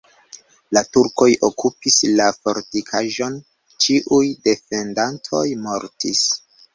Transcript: La turkoj okupis la fortikaĵon, ĉiuj defendantoj mortis.